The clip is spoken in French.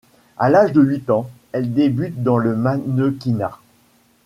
À l'âge de huit ans, elle débute dans le mannequinat.